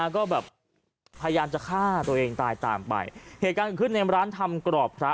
ก็แบบพยายามจะฆ่าตัวเองตายตามไปเหตุการณ์เกิดขึ้นในร้านทำกรอบพระ